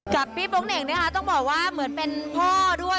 กับพี่โป๊งเหน่งนะคะต้องบอกว่าเหมือนเป็นพ่อด้วย